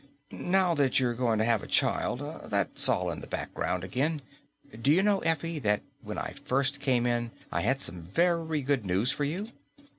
"Now that you're going to have a child, that's all in the background again. Do you know, Effie, that when I first came in, I had some very good news for you?